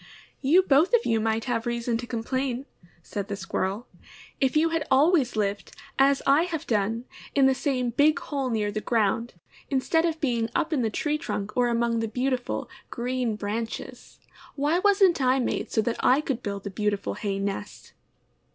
^^You might vboth of you have reason to complain," said the Squirrel, '^if you had al ways lived, as I have done, in the same big hole near the ground, instead of being up in the tree trunk or among the beautiful, green branches. Why wasn^t I made so that I could build a beautiful hay nest?"